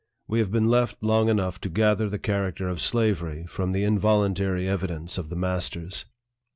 We have been left long enough to gather the character of slavery from the involuntary evidence of the masters.